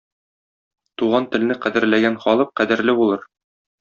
Туган телне кадерләгән халык кадерле булыр.